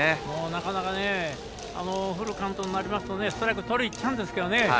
なかなかフルカウントになりますとストライクとりにいっちゃうんです。